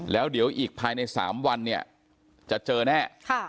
แล้วเดี๋ยวอีกภายใน๓วันเนี่ยจะเจอแน่